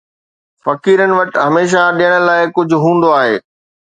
فقيرن وٽ هميشه ڏيڻ لاءِ ڪجهه هوندو آهي.